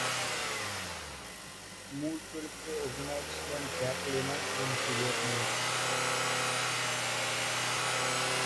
মূল চরিত্রে অভিনয়ে ছিলেন জ্যাক লেমন এবং জুলিয়েট মিলস।